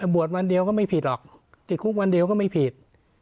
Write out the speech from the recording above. บวชวันเดียวก็ไม่ผิดหรอกติดคุกวันเดียวก็ไม่ผิด